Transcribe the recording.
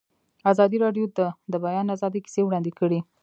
ازادي راډیو د د بیان آزادي کیسې وړاندې کړي.